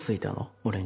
俺に